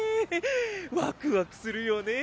ワクワクするよね！